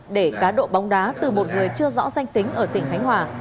để cá độ bóng đá từ một người chưa rõ danh tính ở tỉnh khánh hòa